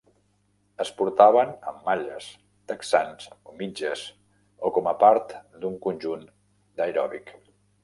Es portaven amb malles, texans o mitges, o com a part d'un conjunt d'aeròbic.